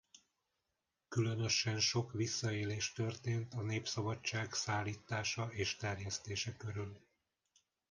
Különösen sok visszaélés történt a Népszabadság szállítása és terjesztése körül.